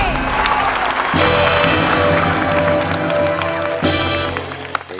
ไม่ใช้